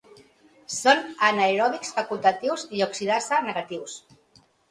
Són anaeròbics facultatius i oxidasa negatius.